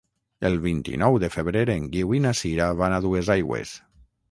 El vint-i-nou de febrer en Guiu i na Sira van a Duesaigües.